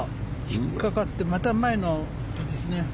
引っかかってまた前のあれですね。